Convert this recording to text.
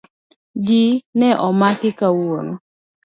Ji ne omaki kawuono.